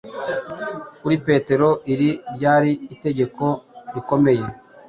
Kuri Petero, iri ryari itegeko rikomeye,